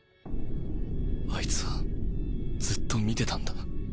あいつはずっと見てたんだ。